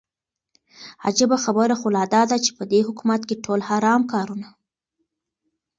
عجيبه خبره خو لا داده چې په دې حكومت كې ټول حرام كارونه